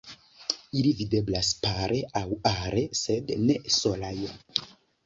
Ili videblas pare aŭ are, sed ne solaj.